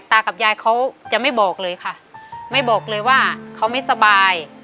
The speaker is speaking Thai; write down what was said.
ตากับยายเขาจะไม่บอกเลยค่ะไม่บอกเลยว่าเขาไม่สบาย